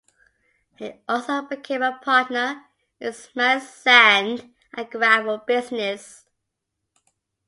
He also became a partner in Smythe's sand and gravel business.